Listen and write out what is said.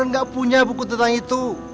nggak punya buku tentang itu